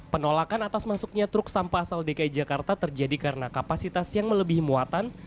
penolakan atas masuknya truk sampah asal dki jakarta terjadi karena kapasitas yang melebihi muatan